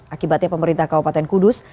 akibatnya pemerintah kabupaten kudus